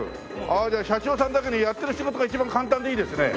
ああじゃあ社長さんだけにやってる仕事が一番簡単でいいですね。